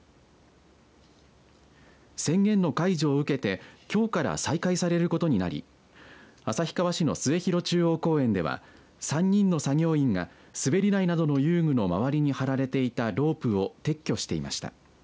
宣言の解除を受けてきょうから再開されることになり旭川市の末広中央公園では３人の作業員が滑り台などの遊具の周りに張られていたロープを撤去していました。